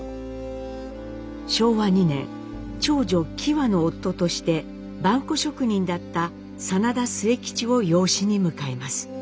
昭和２年長女きわの夫として萬古職人だった真田末吉を養子に迎えます。